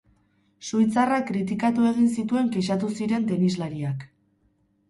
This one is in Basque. Suitzarrak kritikatu egin zituen kexatu ziren tenislariak.